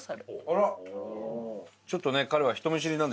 ちょっとね彼は。